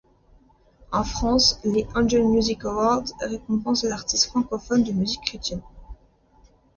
En France, les Angels Music Awards récompensent les artistes francophones de musique chrétienne.